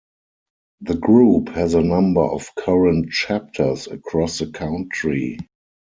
The group has a number of current chapters across the country.